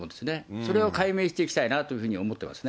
それを解明していきたいなというふうに思ってますね。